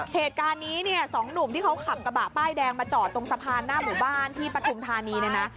เหตุการณ์นี้เนี่ยสองหนุ่มที่เขาขับกระบะป้ายแดงมาจอดตรงสะพานหน้าหมู่บ้านที่ปฐุมธานีเนี่ยนะ